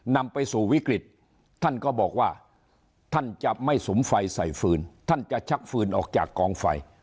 นำไปสู่วิกฤตท่านก็บอกว่าท่านจะไม่สุมไฟใส่ฟืนท่านจะชักฟืนออกจากกองไฟ